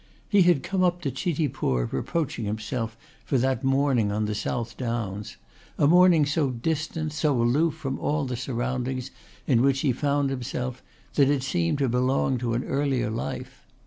He had come up to Chitipur reproaching himself for that morning on the South Downs, a morning so distant, so aloof from all the surroundings in which he found himself that it seemed to belong to an earlier life.